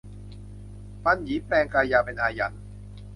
ปันหยีแปลงกายาเป็นอาหยัน